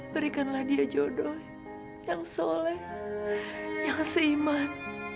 berikanlah dia jodoh yang soleh yang seiman